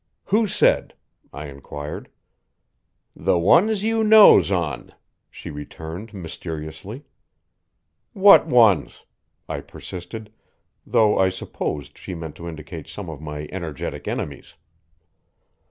"Who said?" I inquired. "The ones you knows on," she returned mysteriously. "What ones?" I persisted, though I supposed she meant to indicate some of my energetic enemies.